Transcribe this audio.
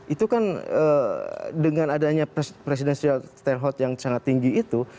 itu kan dengan adanya presidential threshold yang sangat tinggi itu